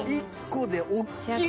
１個でおっきい。